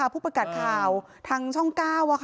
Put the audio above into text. ผู้ประกาศข่าวทางช่อง๙